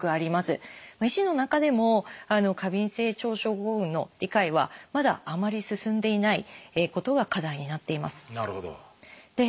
医師の中でも過敏性腸症候群の理解はまだあまり進んでいないことが課題になっています。